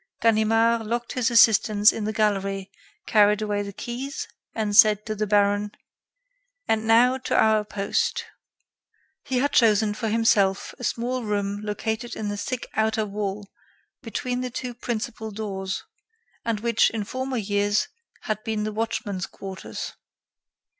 Ganimard locked his assistants in the gallery, carried away the keys, and said to the baron: "And now, to our post." He had chosen for himself a small room located in the thick outer wall, between the two principal doors, and which, in former years, had been the watchman's quarters.